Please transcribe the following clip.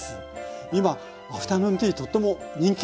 今アフタヌーンティーとっても人気ありますよね？